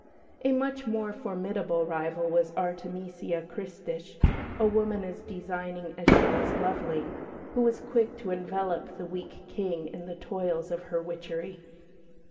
A much more formidable rival was Artemesia Christich, a woman as designing as she was lovely, who was quick to envelop the weak King in the toils of her witchery.